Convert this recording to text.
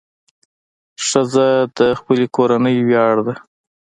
ښځه د خپلې کورنۍ ویاړ ده.